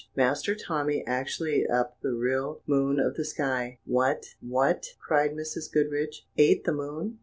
" Master Tommy actually ate up the real moon out of the sky." "What! What!" cried Mrs. Goodriche; "ate the moon?